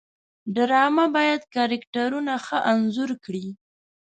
ډرامه باید کرکټرونه ښه انځور کړي